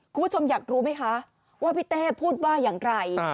คุณผู้ชมอยากรู้ไหมคะว่าพี่เต้พูดว่าอย่างไร